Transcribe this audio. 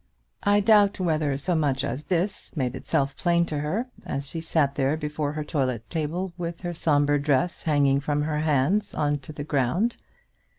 I doubt whether so much as this made itself plain to her, as she sat there before her toilet table, with her sombre dress hanging from her hands on to the ground.